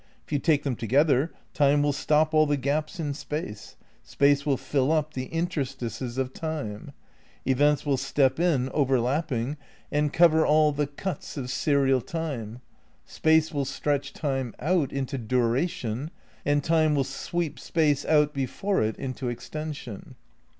If you take them together Time will stop all the gaps in Space ; Space will fill up the interstices of Time; events will step in, overlapping, and cover " See Appendix II, pp. 315 317. VI EECONSTRUCTION OF IDEALISM 221 all the cuts of serial Time ; Space will stretch Time out into duration, and Time will sweep Space out before it into extension.